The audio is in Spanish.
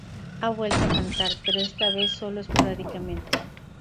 Ha vuelto a cantar, pero esta vez solo esporádicamente.